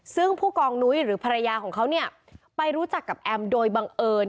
ซึ่งผู้กองนุ้ยหรือภรรยาของเขาเนี่ยไปรู้จักกับแอมโดยบังเอิญ